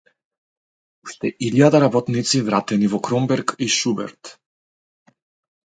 Уште илјада работници вратени во „Кромберг и Шуберт“